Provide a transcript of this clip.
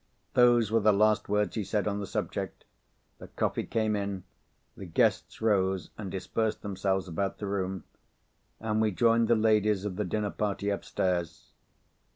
Those were the last words he said on the subject. The coffee came in; the guests rose, and dispersed themselves about the room; and we joined the ladies of the dinner party upstairs.